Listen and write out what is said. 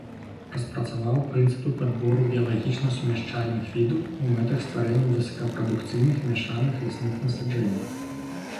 Распрацаваў прынцыпы падбору біялагічна сумяшчальных відаў у мэтах стварэння высокапрадукцыйных мяшаных лясных насаджэнняў.